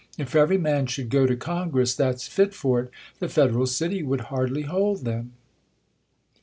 If every man should go to Congress that's !lit f®r it, the federal city would hardly hold them.